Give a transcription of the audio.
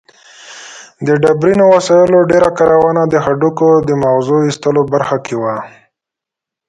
د ډبرینو وسایلو ډېره کارونه د هډوکو د مغزو ایستلو برخه کې وه.